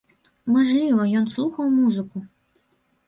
Мажліва, ён слухаў музыку.